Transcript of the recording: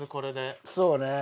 そうね。